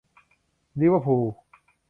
ลิเวอร์พูล